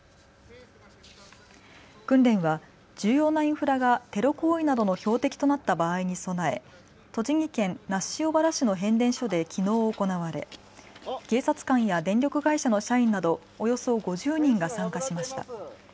訓練は重要なインフラがテロ行為などの標的となった場合に備え栃木県那須塩原市の変電所できのう行われ警察官や電力会社の社員などおよそ５０人が参加しました。